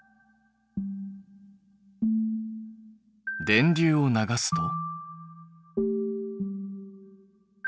電流を流すと？